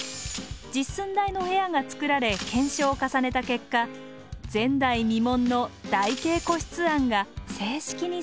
実寸大の部屋がつくられ検証を重ねた結果前代未聞の台形個室案が正式に採用されました